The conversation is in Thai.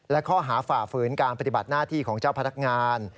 และข้อหาฝ่าฝืนการปฏิบัติหน้าที่ของเจ้าพนักงาน